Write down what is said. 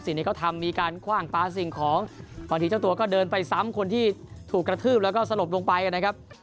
สิ่งที่เขาทำมีการคว่างปลาสิ่งของบางทีเจ้าตัวก็เดินไปซ้ำคนที่ถูกกระทืบแล้วก็สลบลงไปนะครับ